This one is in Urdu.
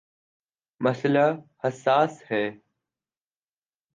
مسئلہ حساس ہے۔